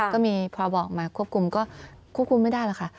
ก็มีพอบอกมาควบคุมก็ควบคุมไม่ได้หรอกค่ะ